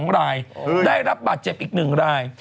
๒รายได้รับบาดเจ็บอีก๑ราย